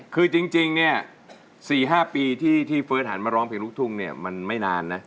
คือจริงเนี่ย๔๕ปีที่เฟิร์สหันมาร้องเพลงลูกทุ่งเนี่ยมันไม่นานนะ